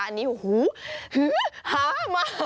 อันนี้หูฮือหามา